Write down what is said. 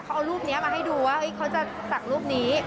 เขาเอารูปนี้มาให้ดูว่าเขาจะสักรูปนี้